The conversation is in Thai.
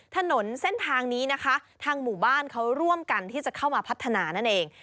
ถนนเส้นทางนี้นะคะทางหมู่บ้านเขาร่วมกันที่จะเข้ามาพัฒนานั่นเอง